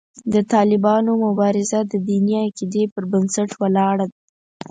د طالبانو مبارزه د دیني عقیدې پر بنسټ ولاړه ده.